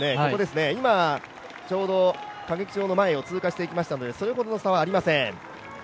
今ちょうど、歌劇場の前を通過していきましたので、それほどの差はありません。